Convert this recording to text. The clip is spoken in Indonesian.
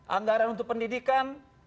anggaran untuk pendidikan